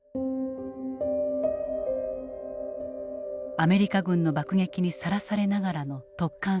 アメリカ軍の爆撃にさらされながらの突貫作業。